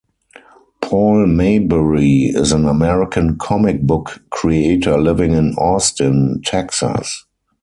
Paul Maybury is an American comic book creator living in Austin Texas.